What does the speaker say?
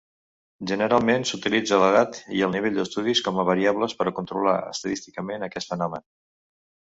Generalment, s’utilitza l’edat i el nivell d’estudis com a variables per controlar estadísticament aquest fenomen.